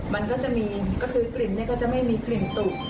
มันก็จะมีก็คือกลิ่นก็จะไม่มีกลิ่นตุก